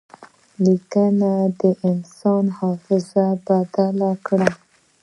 لیکل د انسان حافظه بدل کړه.